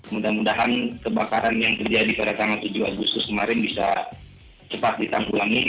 mudah mudahan kebakaran yang terjadi pada tanggal tujuh agustus kemarin bisa cepat ditampung lagi